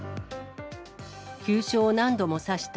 急所を何度も刺した。